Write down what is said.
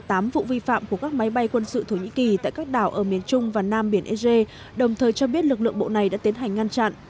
đã ghi nhận tới một trăm ba mươi tám vụ vi phạm của các máy bay quân sự thổ nhĩ kỳ tại các đảo ở miền trung và nam biển ege đồng thời cho biết lực lượng bộ này đã tiến hành ngăn chặn